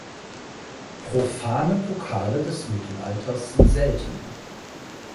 Profane Pokale des Mittelalters sind selten.